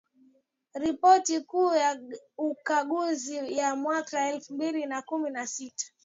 Ripoti kuu ya ukaguzi ya mwaka elfu mbili na kumi na sita